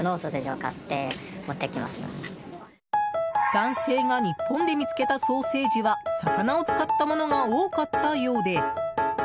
男性が日本で見つけたソーセージは魚を使ったものが多かったようで。